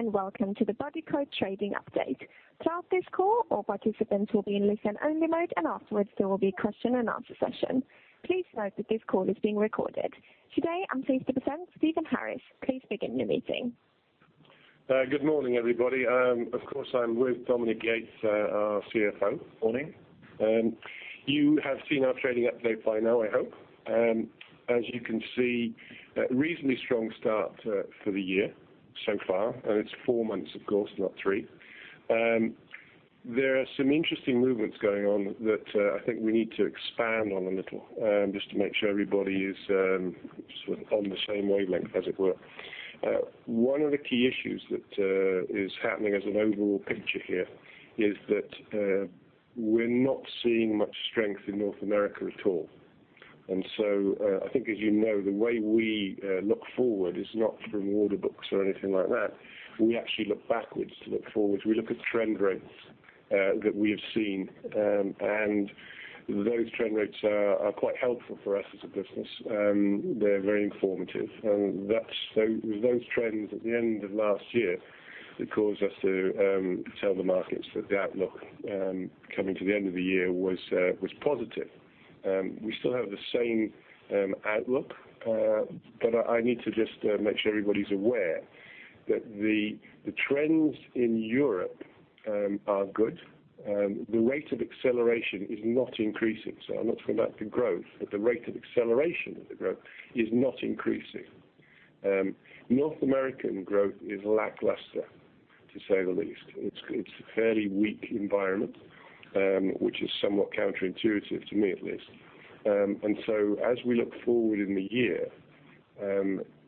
Hello, and welcome to the Bodycote trading update. Throughout this call, all participants will be in listen-only mode, and afterwards there will be a question-and-answer session. Please note that this call is being recorded. Today, I'm pleased to present Stephen Harris. Please begin your meeting. Good morning, everybody. Of course, I'm with Dominique Yates, our CFO. Morning. You have seen our trading update by now, I hope. As you can see, a reasonably strong start for the year so far, and it's four months, of course, not three. There are some interesting movements going on that I think we need to expand on a little, just to make sure everybody is sort of on the same wavelength as it were. One of the key issues that is happening as an overall picture here is that we're not seeing much strength in North America at all. And so, I think as you know, the way we look forward is not from order books or anything like that. We actually look backwards to look forwards. We look at trend rates that we have seen, and those trend rates are quite helpful for us as a business. They're very informative, and so it was those trends at the end of last year that caused us to tell the markets that the outlook coming to the end of the year was positive. We still have the same outlook, but I need to just make sure everybody's aware that the trends in Europe are good. The rate of acceleration is not increasing, so I'm not talking about the growth, but the rate of acceleration of the growth is not increasing. North American growth is lackluster, to say the least. It's a fairly weak environment, which is somewhat counterintuitive to me, at least. And so as we look forward in the year,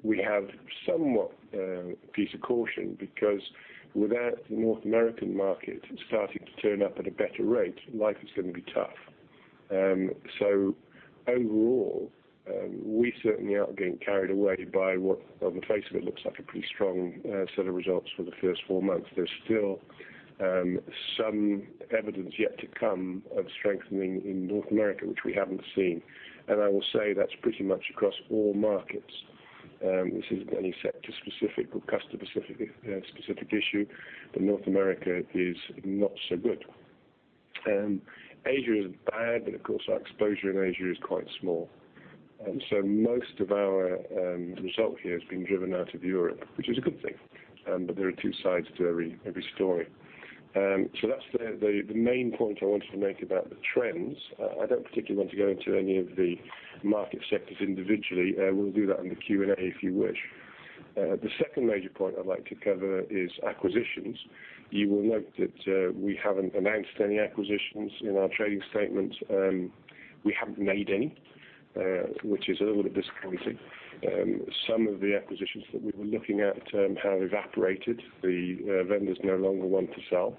we have somewhat a piece of caution because without the North American market starting to turn up at a better rate, life is going to be tough. So overall, we certainly aren't getting carried away by what, on the face of it, looks like a pretty strong set of results for the first four months. There's still some evidence yet to come of strengthening in North America, which we haven't seen, and I will say that's pretty much across all markets. This isn't any sector specific or customer specific specific issue, but North America is not so good. Asia is bad, but of course, our exposure in Asia is quite small. So most of our result here has been driven out of Europe, which is a good thing, but there are two sides to every story. So that's the main point I wanted to make about the trends. I don't particularly want to go into any of the market sectors individually. We'll do that in the Q&A if you wish. The second major point I'd like to cover is acquisitions. You will note that we haven't announced any acquisitions in our trading statement. We haven't made any, which is a little bit disappointing. Some of the acquisitions that we were looking at have evaporated. The vendors no longer want to sell.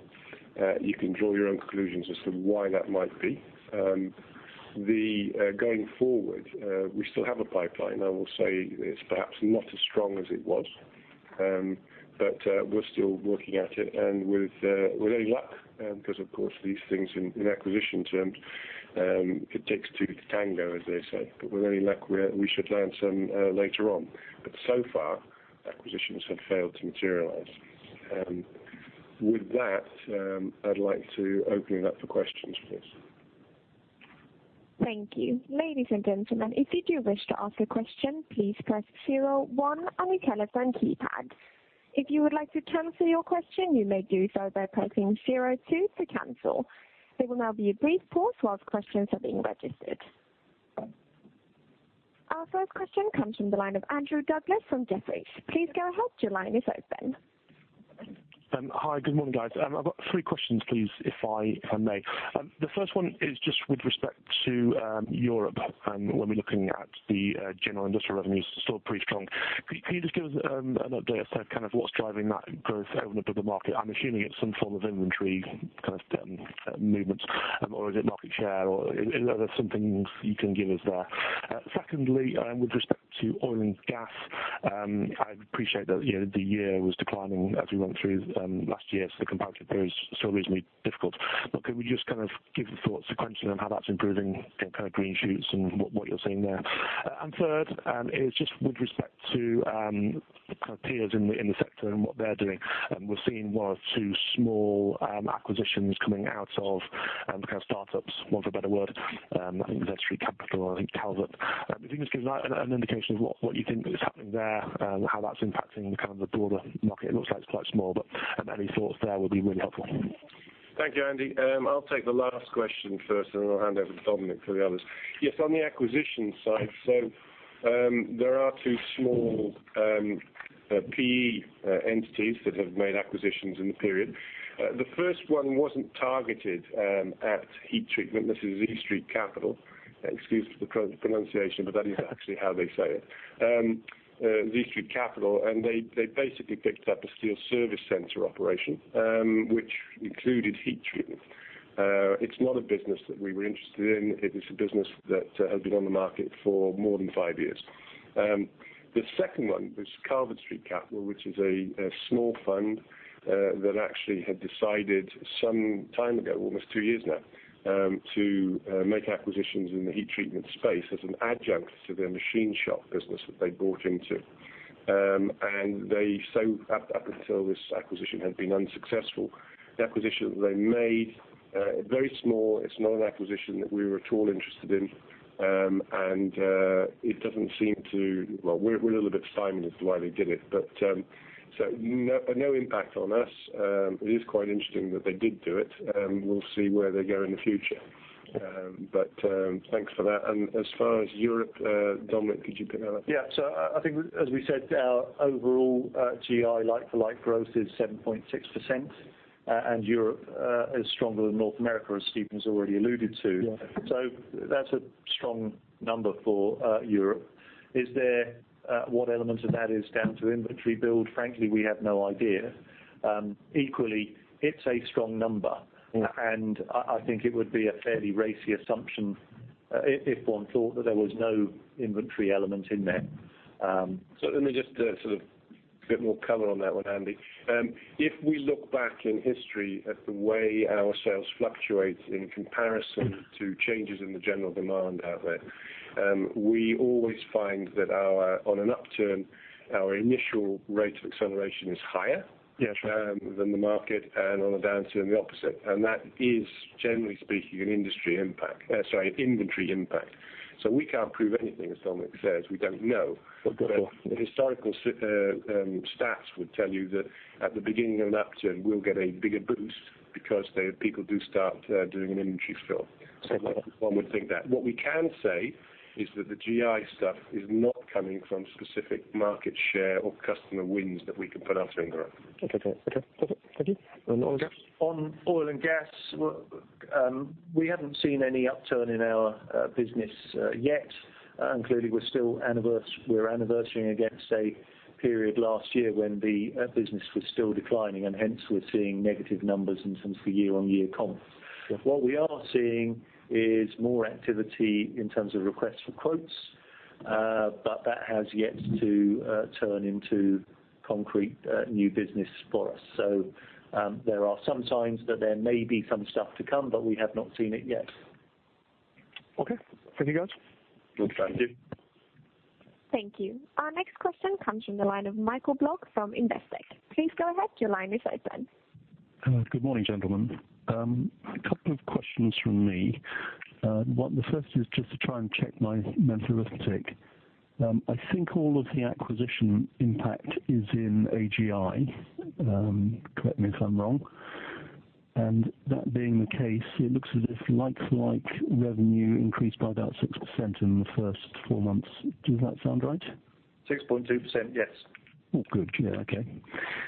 You can draw your own conclusions as to why that might be. Going forward, we still have a pipeline. I will say it's perhaps not as strong as it was, but we're still working at it, and with any luck, because of course these things in acquisition terms, it takes two to tango, as they say, but with any luck, we should land some later on. But so far, acquisitions have failed to materialize. With that, I'd like to open it up for questions, please. Thank you. Ladies and gentlemen, if you do wish to ask a question, please press zero-one on your telephone keypad. If you would like to cancel your question, you may do so by pressing zero-two to cancel. There will now be a brief pause whilst questions are being registered. Our first question comes from the line of Andrew Douglas from Jefferies. Please go ahead. Your line is open. Hi. Good morning, guys. I've got three questions, please, if I may. The first one is just with respect to Europe, when we're looking at the general industrial revenues, still pretty strong. Can you just give us an update as to kind of what's driving that growth out of the market? I'm assuming it's some form of inventory kind of movements, or is it market share, or are there some things you can give us there? Secondly, with respect to oil and gas, I appreciate that, you know, the year was declining as we went through last year, so the comparative period is still reasonably difficult. But can we just kind of give the thoughts sequentially on how that's improving, kind of green shoots and what you're seeing there? And third, is just with respect to, kind of peers in the, in the sector and what they're doing. We're seeing one or two small, acquisitions coming out of, kind of startups, want for a better word, I think Z Capital Group and I think Calvert Street Capital Partners. If you can just give an, an indication of what, what you think is happening there, how that's impacting kind of the broader market. It looks like it's quite small, but, any thoughts there would be really helpful. Thank you, Andy. I'll take the last question first, and then I'll hand over to Dominique for the others. Yes, on the acquisition side, so, there are two small, PE, entities that have made acquisitions in the period. The first one wasn't targeted, at heat treatment. This is Z Capital Group. Excuse the poor pronunciation, but that is actually how they say it. Z Capital Group, and they basically picked up a steel service center operation, which included heat treatment. It's not a business that we were interested in. It is a business that has been on the market for more than five years. The second one was Calvert Street Capital, which is a small fund that actually had decided some time ago, almost two years now, to make acquisitions in the heat treatment space as an adjunct to their machine shop business that they bought into. And they, so up until this acquisition had been unsuccessful. The acquisition they made, very small, it's not an acquisition that we were at all interested in. And it doesn't seem to. Well, we're a little bit stunned as to why they did it, but so no, no impact on us. It is quite interesting that they did do it, and we'll see where they go in the future. But thanks for that. And as far as Europe, Dominique, could you pick that up? Yeah. So I think as we said, our overall GI like-for-like growth is 7.6%, and Europe is stronger than North America, as Stephen's already alluded to. Yeah. So that's a strong number for Europe. Is there what element of that is down to inventory build? Frankly, we have no idea. Equally, it's a strong number- Yeah I think it would be a fairly racy assumption if one thought that there was no inventory element in there. So let me just, sort of a bit more color on that one, Andy. If we look back in history at the way our sales fluctuate in comparison- Mm-hmm -to changes in the general demand out there, we always find that our, on an upturn, our initial rate of acceleration is higher- Yes than the market, and on a downturn, the opposite. And that is, generally speaking, an industry impact, sorry, inventory impact. So we can't prove anything, as Dominique says, we don't know. But go on. But the historical stats would tell you that at the beginning of an upturn, we'll get a bigger boost because the people do start doing an inventory fill. Yes. One would think that. What we can say is that the GI stuff is not coming from specific market share or customer wins that we can put our finger on. Okay, okay. Okay, thank you. And oil and gas? On oil and gas, well, we haven't seen any upturn in our business yet. Including we're still anniversarying against a period last year when the business was still declining, and hence we're seeing negative numbers in terms of the year-on-year comp. Yeah. What we are seeing is more activity in terms of requests for quotes, but that has yet to turn into concrete new business for us. So, there are some signs that there may be some stuff to come, but we have not seen it yet. Okay. Thank you, guys. Thank you. Thank you. Our next question comes from the line of Michael Blogg from Investec. Please go ahead, your line is open. Good morning, gentlemen. A couple of questions from me. One, the first is just to try and check my mental arithmetic. I think all of the acquisition impact is in AGI, correct me if I'm wrong, and that being the case, it looks as if like-for-like revenue increased by about 6% in the first four months. Does that sound right? 6.2%, yes. Oh, good. Yeah. Okay.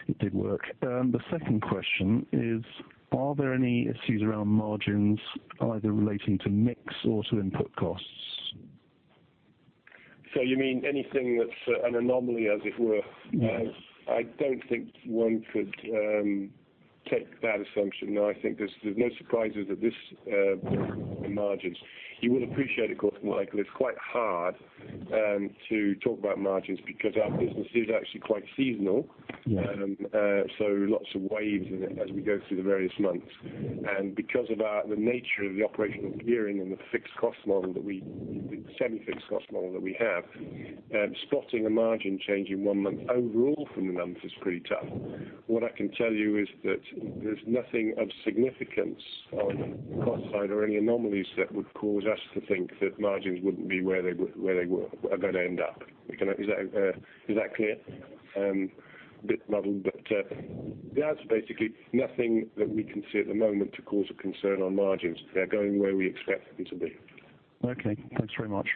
It did work. The second question is, are there any issues around margins, either relating to mix or to input costs? So you mean anything that's an anomaly, as it were? Yes. I don't think one could take that assumption. No, I think there's no surprises at this in margins. You will appreciate, of course, Michael, it's quite hard to talk about margins because our business is actually quite seasonal. Yeah. So lots of waves in it as we go through the various months. And because of our, the nature of the operational gearing and the fixed cost model that we- the semi-fixed cost model that we have, spotting a margin change in one month overall from the month is pretty tough. What I can tell you is that there's nothing of significance on the cost side or any anomalies that would cause us to think that margins wouldn't be where they w- where they were, are going to end up. We can... Is that, is that clear? Bit muddled, but, there's basically nothing that we can see at the moment to cause a concern on margins. They're going where we expect them to be. Okay. Thanks very much.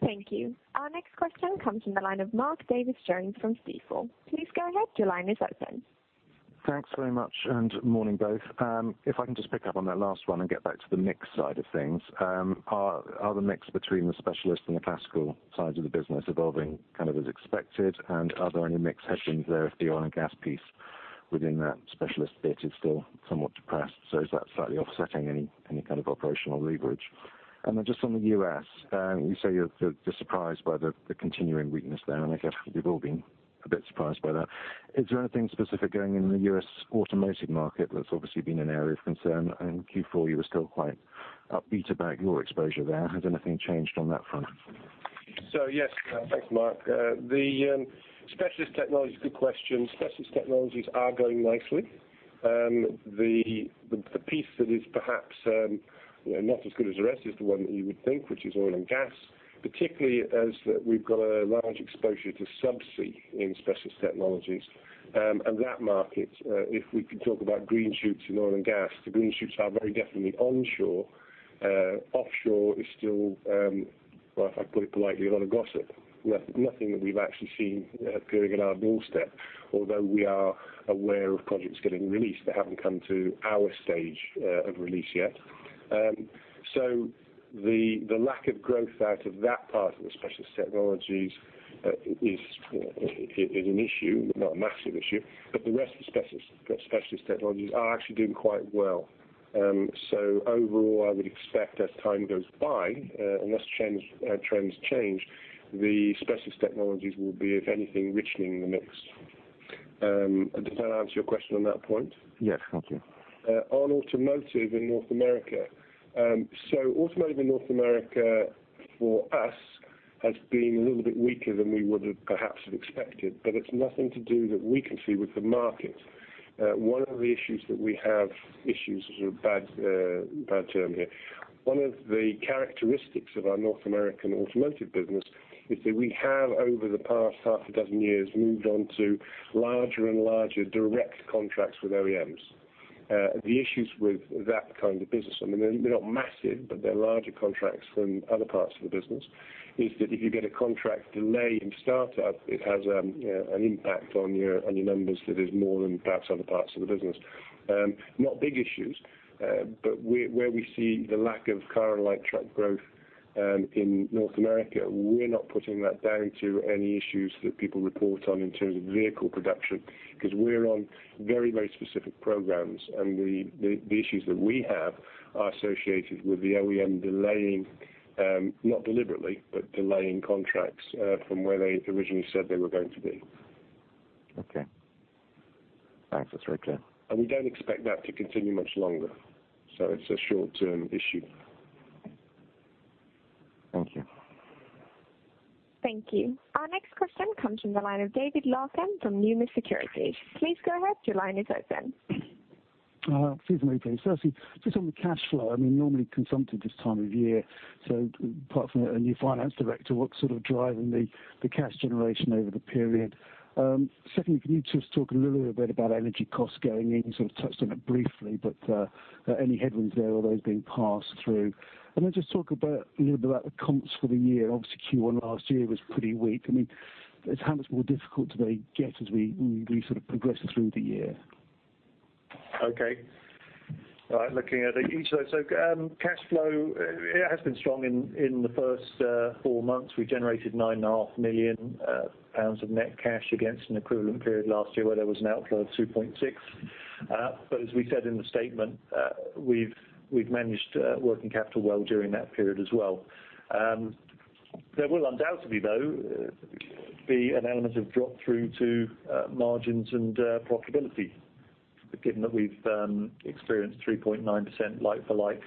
Thank you. Our next question comes from the line of Mark Davies Jones from Stifel. Please go ahead, your line is open. Thanks very much, and morning, both. If I can just pick up on that last one and get back to the mix side of things, are the mix between the specialist and the classical sides of the business evolving kind of as expected? And are there any mix headwinds there, if the oil and gas piece within that specialist bit is still somewhat depressed, so is that slightly offsetting any kind of operational leverage? And then just on the U.S., you say you're surprised by the continuing weakness there, and I guess we've all been a bit surprised by that. Is there anything specific going on in the U.S. automotive market that's obviously been an area of concern, and in Q4, you were still quite upbeat about your exposure there. Has anything changed on that front? So, yes. Thanks, Mark. Specialist technology, good question. Specialist Technologies are going nicely. The piece that is perhaps, you know, not as good as the rest is the one that you would think, which is oil and gas, particularly as we've got a large exposure to subsea in Specialist Technologies. And that market, if we could talk about green shoots in oil and gas, the green shoots are very definitely onshore. Offshore is still, well, if I put it politely, a lot of gossip. Nothing that we've actually seen appearing at our doorstep, although we are aware of projects getting released, they haven't come to our stage of release yet. So the lack of growth out of that part of the Specialist Technologies is an issue, not a massive issue, but the rest of the Specialist Technologies are actually doing quite well. So overall, I would expect as time goes by, unless trends change, the Specialist Technologies will be, if anything, enriching in the mix. Does that answer your question on that point? Yes, thank you. On automotive in North America, so automotive in North America for us has been a little bit weaker than we would have perhaps have expected, but it's nothing to do that we can see with the market. One of the issues that we have, issues is a bad, bad term here. One of the characteristics of our North American automotive business is that we have, over the past half a dozen years, moved on to larger and larger direct contracts with OEMs. The issues with that kind of business, I mean, they're not massive, but they're larger contracts from other parts of the business, is that if you get a contract delay in startup, it has, an impact on your, on your numbers that is more than perhaps other parts of the business. Not big issues, but where we see the lack of car and light truck growth in North America, we're not putting that down to any issues that people report on in terms of vehicle production, because we're on very, very specific programs. And the issues that we have are associated with the OEM delaying, not deliberately, but delaying contracts from where they originally said they were going to be. Okay. Thanks, that's very clear. And we don't expect that to continue much longer, so it's a short-term issue. Thank you. Thank you. Our next question comes from the line of David Larkam from Numis Securities. Please go ahead, your line is open. Excuse me, please. Firstly, just on the cash flow, I mean, normally consumptive this time of year, so apart from a new finance director, what's sort of driving the cash generation over the period? Secondly, can you just talk a little bit about energy costs going in? You sort of touched on it briefly, but any headwinds there, are those being passed through? And then just talk a little bit about the comps for the year. Obviously, Q1 last year was pretty weak. I mean, just how much more difficult do they get as we sort of progress through the year? Okay. All right, looking at each of those. So, cash flow, it has been strong in the first four months. We generated 9.5 million pounds of net cash against an equivalent period last year where there was an outflow of 2.6 million. But as we said in the statement, we've managed working capital well during that period as well. There will undoubtedly, though, be an element of drop through to margins and profitability, given that we've experienced 3.9% like for like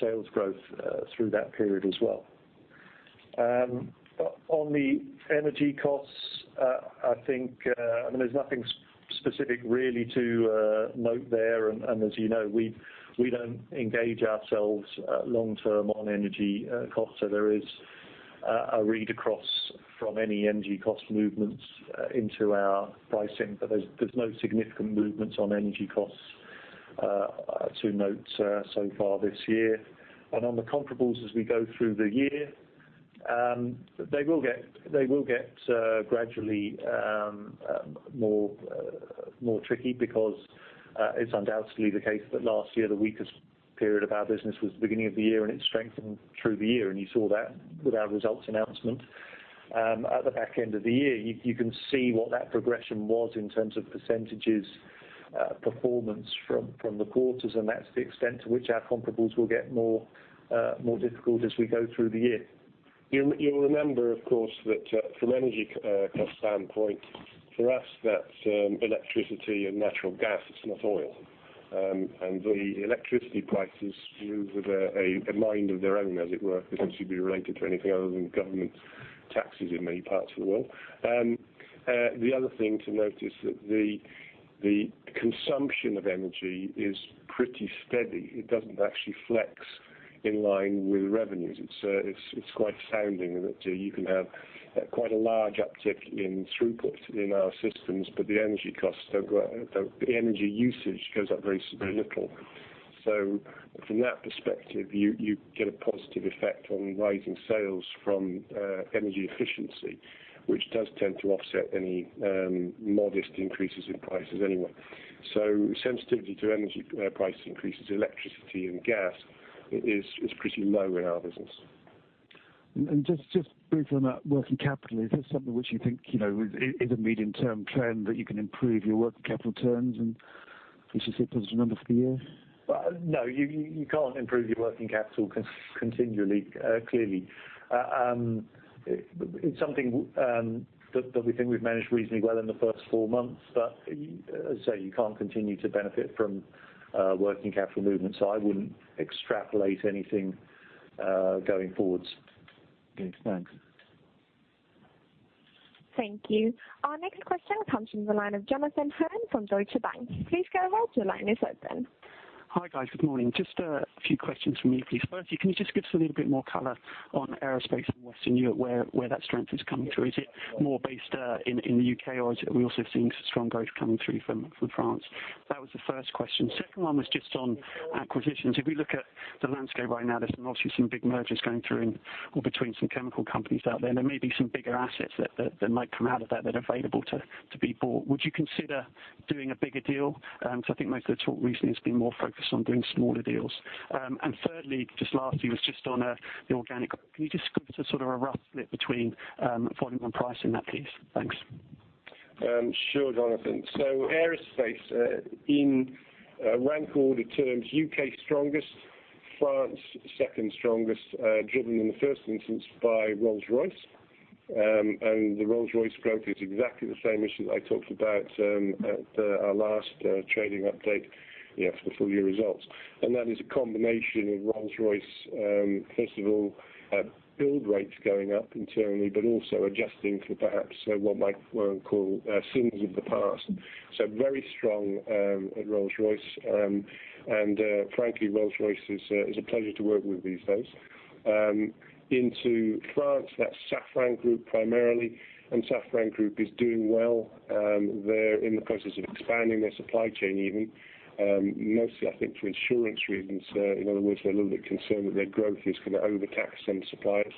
sales growth through that period as well. But on the energy costs, I think, I mean, there's nothing specific really to note there. And as you know, we don't engage ourselves long term on energy costs. So there is a read across from any energy cost movements into our pricing, but there's no significant movements on energy costs to note so far this year. And on the comparables, as we go through the year, they will get gradually more tricky because it's undoubtedly the case that last year, the weakest period of our business was the beginning of the year, and it strengthened through the year, and you saw that with our results announcement. At the back end of the year, you can see what that progression was in terms of percentages performance from the quarters, and that's the extent to which our comparables will get more difficult as we go through the year. You'll remember, of course, that from an energy cost standpoint, for us, that's electricity and natural gas, it's not oil. And the electricity prices move with a mind of their own, as it were, doesn't seem to be related to anything other than government taxes in many parts of the world. The other thing to note is that the consumption of energy is pretty steady. It doesn't actually flex in line with revenues. It's quite astounding that you can have quite a large uptick in throughput in our systems, but the energy costs don't go, the energy usage goes up very, very little. So from that perspective, you get a positive effect on rising sales from energy efficiency, which does tend to offset any modest increases in prices anyway. Sensitivity to energy price increases, electricity and gas, is pretty low in our business. Just briefly on that working capital, is this something which you think you know, is a medium-term trend, that you can improve your working capital terms, and we should see a positive number for the year? Well, no, you can't improve your working capital continually, clearly. It's something that we think we've managed reasonably well in the first four months, but as I say, you can't continue to benefit from working capital movement, so I wouldn't extrapolate anything going forwards. Okay, thanks. Thank you. Our next question comes from the line of Jonathan Hurn from Deutsche Bank. Please go ahead, your line is open. Hi, guys. Good morning. Just a few questions from me, please. First, can you just give us a little bit more color on aerospace in Western Europe, where that strength is coming through? Is it more based in the U.K., or is it we also seeing strong growth coming through from France? That was the first question. Second one was just on acquisitions. If we look at the landscape right now, there's obviously some big mergers going through in or between some chemical companies out there, and there may be some bigger assets that might come out of that that are available to be bought. Would you consider doing a bigger deal? So I think most of the talk recently has been more focused on doing smaller deals. And thirdly, just lastly, was just on the organic. Can you just give us a sort of a rough split between volume and pricing in that, please? Thanks. Sure, Jonathan. So aerospace, in rank order terms, U.K. is strongest. France, second strongest, driven in the first instance by Rolls-Royce. And the Rolls-Royce growth is exactly the same issue I talked about at our last trading update, yeah, for the full year results. And that is a combination of Rolls-Royce, first of all, build rates going up internally, but also adjusting for perhaps what might well call sins of the past. So very strong at Rolls-Royce. And frankly, Rolls-Royce is a pleasure to work with these days. Into France, that's Safran Group primarily, and Safran Group is doing well. They're in the process of expanding their supply chain, even mostly, I think, for insurance reasons. In other words, they're a little bit concerned that their growth is gonna overtax some suppliers.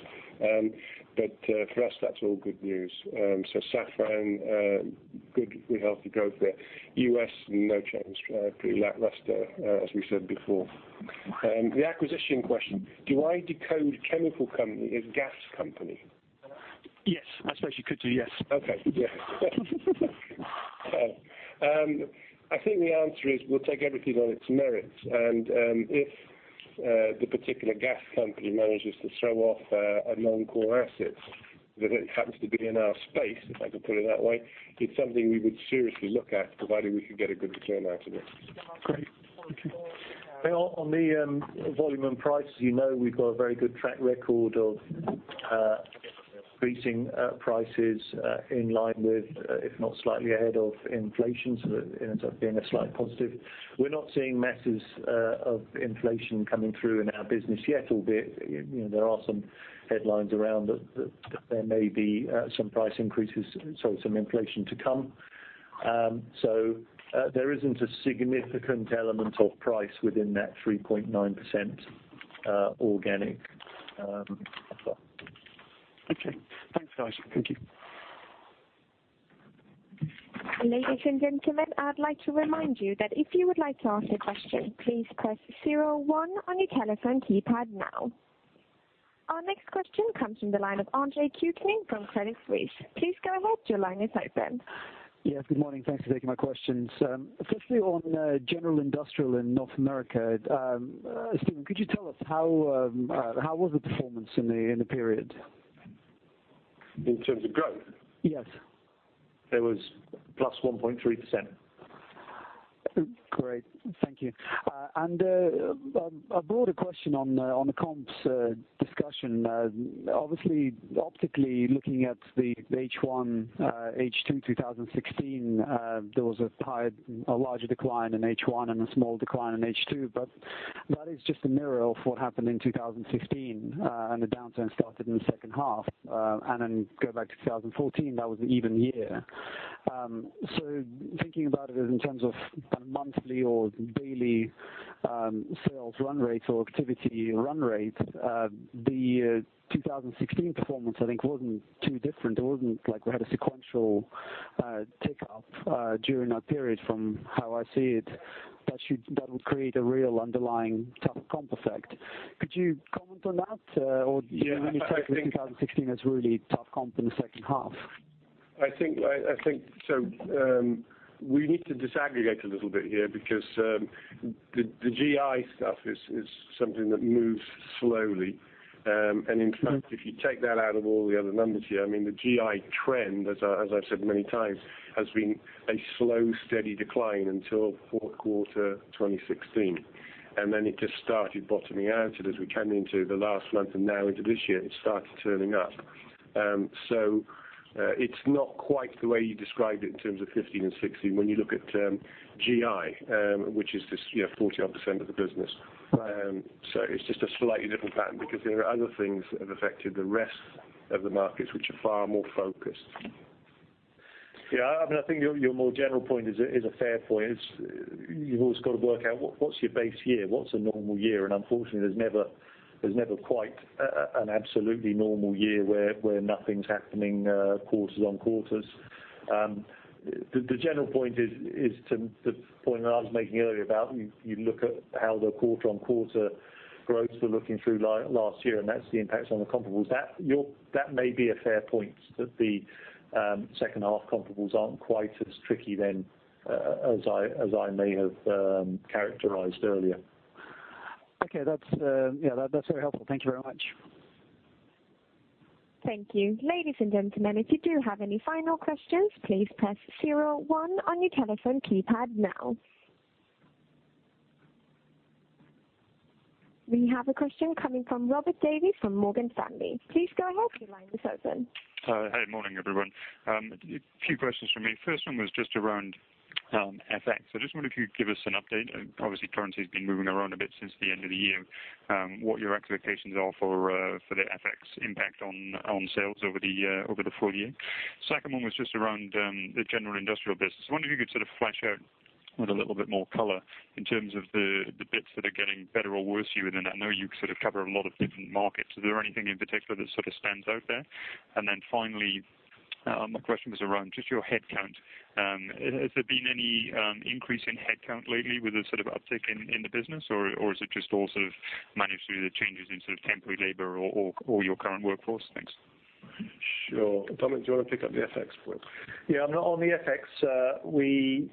But, for us, that's all good news. So Safran, good, healthy growth there. U.S., no change, pretty lackluster, as we said before. The acquisition question: Do I decode chemical company as gas company? Yes, I suppose you could do, yes. Okay, yeah. I think the answer is we'll take everything on its merits, and if the particular gas company manages to throw off a non-core asset, that it happens to be in our space, if I can put it that way, it's something we would seriously look at, provided we could get a good return out of it. Great. Thank you. Well, on the volume and price, as you know, we've got a very good track record of increasing prices in line with, if not slightly ahead of inflation, so that it ends up being a slight positive. We're not seeing masses of inflation coming through in our business yet, albeit, you know, there are some headlines around that, that there may be some price increases, so some inflation to come. So, there isn't a significant element of price within that 3.9%, organic, as well. Okay. Thanks, guys. Thank you. Ladies and gentlemen, I'd like to remind you that if you would like to ask a question, please press zero one on your telephone keypad now. Our next question comes from the line of Andre Kukhnin from Credit Suisse. Please go ahead. Your line is open. Yes, good morning. Thanks for taking my questions. Firstly, on General Industrial in North America, Stephen, could you tell us how was the performance in the period? In terms of growth? Yes. It was +1.3%. Great. Thank you. And, a broader question on the comps discussion. Obviously, optically looking at the H1, H2, 2016, there was a higher, a larger decline in H1 and a small decline in H2, but that is just a mirror of what happened in 2015, and the downturn started in the second half. And then go back to 2014, that was an even year. So thinking about it in terms of a monthly or daily, sales run rate or activity run rate, the 2016 performance, I think, wasn't too different. It wasn't like we had a sequential, tick up, during that period, from how I see it. That would create a real underlying tough comp effect. Could you comment on that? Yeah, I think- 2016 is really tough comp in the second half. I think, so, we need to disaggregate a little bit here because the GI stuff is something that moves slowly. And in fact- Mm-hmm.... if you take that out of all the other numbers here, I mean, the GI trend, as I, as I've said many times, has been a slow, steady decline until fourth quarter, 2016. And then it just started bottoming out, and as we came into the last month and now into this year, it started turning up. So, it's not quite the way you described it in terms of 2015 and 2016 when you look at GI, which is this, you know, 40-odd% of the business. So it's just a slightly different pattern, because there are other things that have affected the rest of the markets, which are far more focused. Yeah, I mean, I think your more general point is a fair point. It's, you've always got to work out what, what's your base year? What's a normal year? And unfortunately, there's never quite an absolutely normal year where nothing's happening, quarters on quarters. The general point is to the point that I was making earlier about you look at how the quarter on quarter growths were looking through last year, and that's the impact on the comparables. That may be a fair point, that the second half comparables aren't quite as tricky then as I may have characterized earlier. Okay, that's, yeah, that's very helpful. Thank you very much. Thank you. Ladies and gentlemen, if you do have any final questions, please press zero one on your telephone keypad now. We have a question coming from Robert Davies from Morgan Stanley. Please go ahead. Your line is open. Hi, morning, everyone. A few questions from me. First one was just around FX. So I just wonder if you'd give us an update. Obviously, currency's been moving around a bit since the end of the year. What your expectations are for the FX impact on sales over the full year? Second one was just around the general industrial business. I wonder if you could sort of flesh out with a little bit more color in terms of the bits that are getting better or worse for you. And I know you sort of cover a lot of different markets. Is there anything in particular that sort of stands out there? And then finally, my question was around just your headcount. Has there been any increase in headcount lately with a sort of uptick in the business, or is it just all sort of managed through the changes in sort of temporary labor or your current workforce? Thanks.... Sure. Dominique, do you want to pick up the FX point? Yeah, on the FX,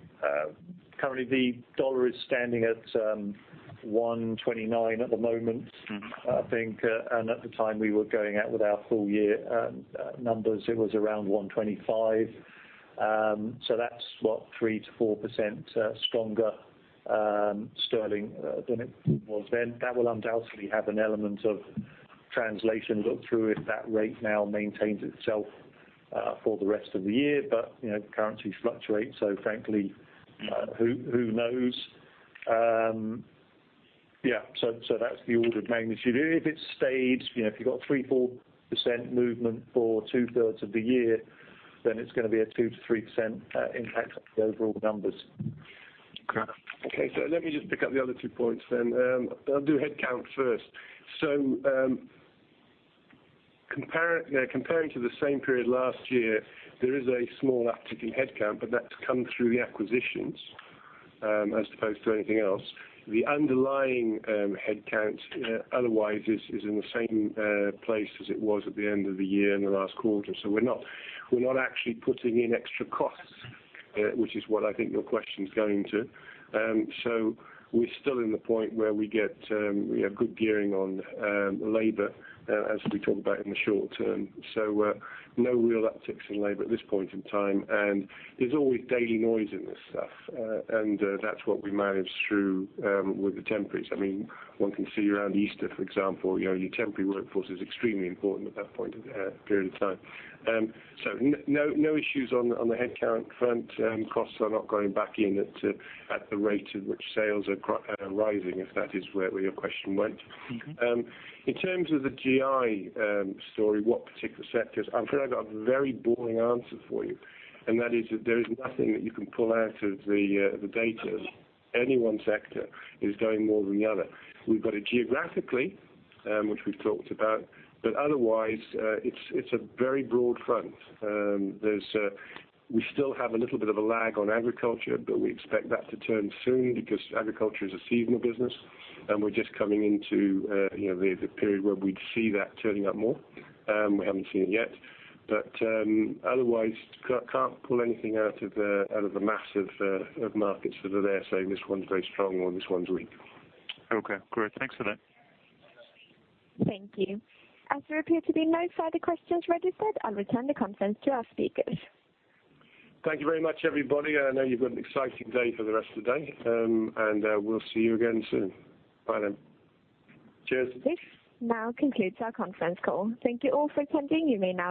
currently the dollar is standing at $1.29 at the moment. Mm-hmm. I think, and at the time we were going out with our full year numbers, it was around $1.25. So that's what? 3%-4% stronger sterling than it was then. That will undoubtedly have an element of translation look through if that rate now maintains itself for the rest of the year. But, you know, currency fluctuates, so frankly, who knows? Yeah, so that's the order of magnitude. If it stayed, you know, if you've got 3-4% movement for two thirds of the year, then it's gonna be a 2%-3% impact on the overall numbers. Okay, so let me just pick up the other two points then. I'll do headcount first. So, comparing to the same period last year, there is a small uptick in headcount, but that's come through the acquisitions, as opposed to anything else. The underlying headcount otherwise is in the same place as it was at the end of the year in the last quarter. So we're not actually putting in extra costs, which is what I think your question's going to. So we're still in the point where we get, we have good gearing on labor, as we talk about in the short term. So, no real upticks in labor at this point in time, and there's always daily noise in this stuff. That's what we manage through with the temporaries. I mean, one can see around Easter, for example, you know, your temporary workforce is extremely important at that point of period of time. So no issues on the headcount front. Costs are not going back in at the rate at which sales are growing, are rising, if that is where your question went. Mm-hmm. In terms of the GI story, what particular sectors? I'm afraid I've got a very boring answer for you, and that is that there is nothing that you can pull out of the data, any one sector is going more than the other. We've got it geographically, which we've talked about, but otherwise, it's a very broad front. We still have a little bit of a lag on agriculture, but we expect that to turn soon because agriculture is a seasonal business, and we're just coming into you know, the period where we'd see that turning up more. We haven't seen it yet, but otherwise, can't pull anything out of the mass of markets that are there, saying this one's very strong or this one's weak. Okay, great. Thanks for that. Thank you. As there appear to be no further questions registered, I'll return the conference to our speakers. Thank you very much, everybody. I know you've got an exciting day for the rest of the day, and we'll see you again soon. Bye then. Cheers. This now concludes our conference call. Thank you all for attending. You may now disconnect.